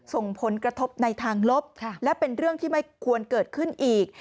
ส่งผลกระทบในทางลบและเป็นเรื่องที่ไม่ควรเกิดขึ้นอีก